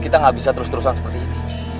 kita nggak bisa terus terusan seperti ini